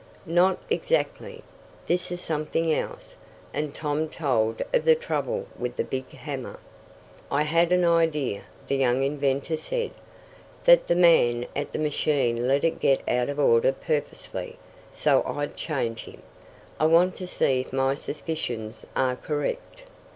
"Not exactly. This is something else," and Tom told of the trouble with the big hammer. "I had an idea," the young inventor said, "that the man at the machine let it get out of order purposely, so I'd change him. I want to see if my suspicions are correct."